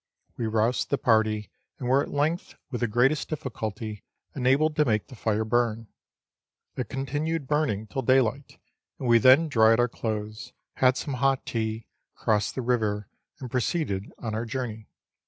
We roused the party, and were at length, with the greatest difficulty, enabled to make the fire burn. It continued burning till daylight, and we then dried our clothes, had some hot tea, crossed the river, and pro ceeded on our journey.